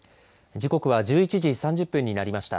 時刻は１１時３０分になりました。